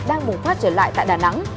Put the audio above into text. đang bùng phát trở lại tại đà nẵng